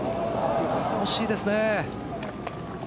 惜しいですね。